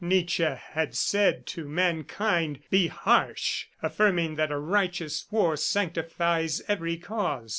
Nietzsche had said to mankind, "Be harsh!" affirming that "a righteous war sanctifies every cause."